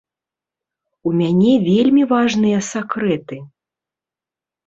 У мяне вельмі важныя сакрэты.